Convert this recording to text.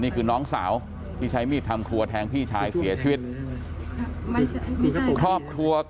นี่คือน้องสาวที่ใช้มีดทำครัวแทงพี่ชายเสียชีวิตครอบครัว